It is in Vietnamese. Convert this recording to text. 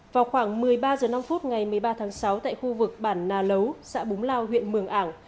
vào khoảng một mươi ba h năm ngày một mươi ba tháng sáu tại khu vực bản nà lấu xã búng lao huyện mường ảng